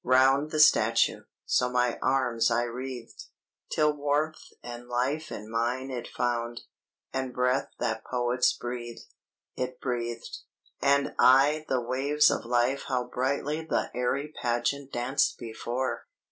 round The Statue, so my arms I wreathed, Till warmth and life in mine it found, And breath that poets breathe it breathed. "And aye the waves of life how brightly The airy Pageant danced before!